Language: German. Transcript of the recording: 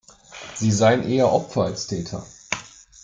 Sie seien eher Opfer als Täter.